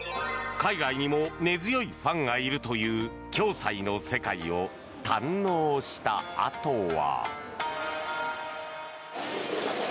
海外にも根強いファンがいるという暁斎の世界を堪能したあとは。